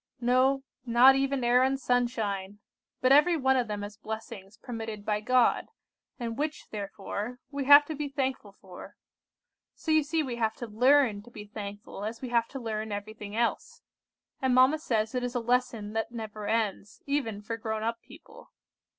No, not even air and sunshine; but every one of them as blessings permitted by God, and which, therefore, we have to be thankful for. So you see we have to learn to be thankful as we have to learn everything else, and mamma says it is a lesson that never ends, even for grown up people.